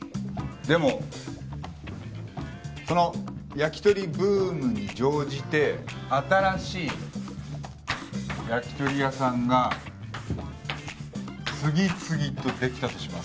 でもその焼き鳥ブームに乗じて新しい焼き鳥屋さんが次々とできたとします。